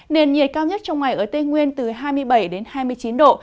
nền nhiệt cao nhất trong ngày ở tây nguyên từ hai mươi bảy hai mươi chín độ